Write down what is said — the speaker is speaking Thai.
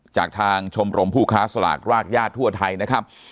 จากทางชมรมผู้ค้าสลากรากญาติทั่วไทยนะครับ